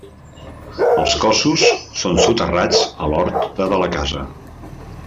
Els cossos són soterrats a l'horta de la casa.